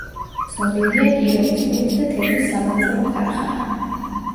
ცნობილია კიროვის პურის და თევზის სამრეწველო ქარხანა.